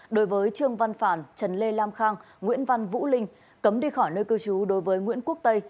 đối với trương văn phàn trần lê lam khang nguyễn văn vũ linh cấm đi khỏi nơi cư trú đối với nguyễn quốc tây